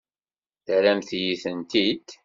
Terramt-iyi-tent-id.